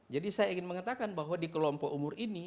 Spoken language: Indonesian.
jadi saya ingin mengatakan bahwa di kelompok umur ini